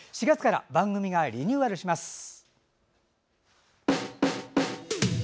４月から番組がリニューアルします。